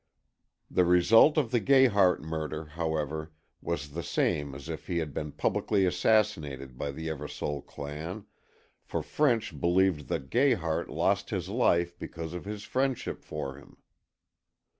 The result of the Gayhart murder, however, was the same as if he had been publicly assassinated by the Eversole clan, for French believed that Gayhart lost his life because of his friendship for him.